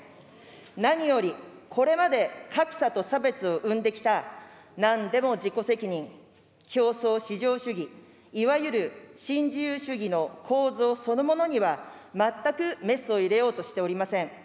何より、これまで格差と差別を生んできた、何よりも自己責任、競争至上主義、いわゆる新自由主義の構造そのものには全くメスを入れようとしておりません。